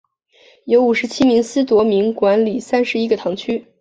由五十七名司铎名管理三十一个堂区。